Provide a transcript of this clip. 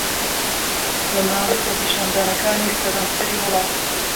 لە ماوەی خۆپیشاندانەکانی سەرانسەری وڵات